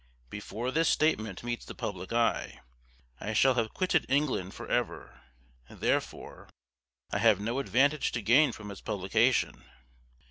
Before this statement meets the public eye, I shall have quitted England for ever; therefore I have no advantage to gain from its publication.